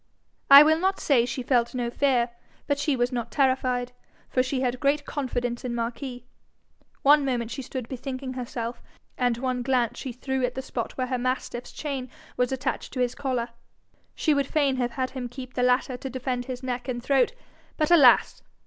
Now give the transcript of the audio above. I will not say she felt no fear, but she was not terrified, for she had great confidence in Marquis. One moment she stood bethinking herself, and one glance she threw at the spot where her mastiff's chain was attached to his collar: she would fain have had him keep the latter to defend his neck and throat: but alas!